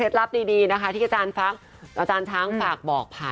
ที่ผ่านมาไป